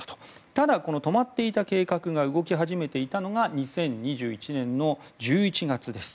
ただ、止まっていた計画が動き始めていたのが２０２１年の１１月です。